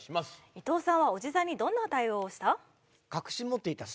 伊藤さんはおじさんにどんな対応をした？